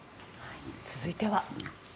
続いては。